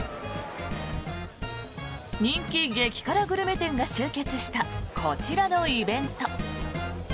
人気激辛グルメ店が集結したこちらのイベント。